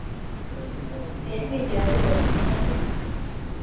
Sinzigera nibagirwa ibyo